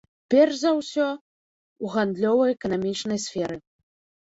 Перш за ўсё, у гандлёва-эканамічнай сферы.